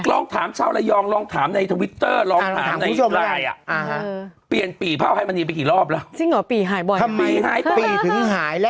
ลองถามชาวไลยองลองถามในทวิตเตอร์ลองถามในอีกลายอ่ะ